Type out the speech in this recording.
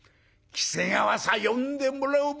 喜瀬川さ呼んでもらうべ。